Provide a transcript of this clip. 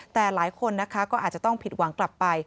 แต่หลายคนนะคะก็อาจจะต้องผิดหวังกลับไป